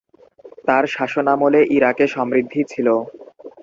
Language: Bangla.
তার শাসনামলে ইরাকে সমৃদ্ধি ছিল।